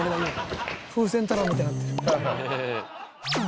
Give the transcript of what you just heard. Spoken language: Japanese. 風船太郎みたいになってる。